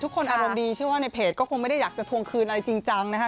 อารมณ์ดีเชื่อว่าในเพจก็คงไม่ได้อยากจะทวงคืนอะไรจริงจังนะคะ